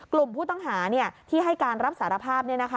กลุ่มผู้ต้องหาที่ให้การรับสารภาพ